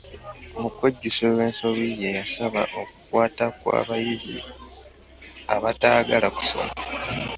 Mu kwejjusa olw'ensobi ye, yasaba okukwata kw'abayizi abataagala kusoma.